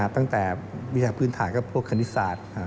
ตั้งแต่วิชาพื้นฐานกับพวกคณิตศาสตร์